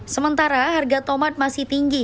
sementara harga tomat masih tinggi